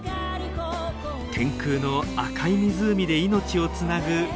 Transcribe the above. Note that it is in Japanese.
天空の赤い湖で命をつなぐフラミンゴ。